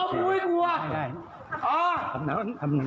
มึงตอบไงไปหยุดอ๊อฟเลย